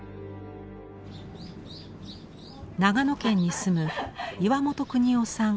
長野県に住む岩本くにをさん